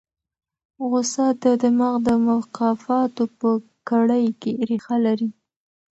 غوسه د دماغ د مکافاتو په کړۍ کې ریښه لري.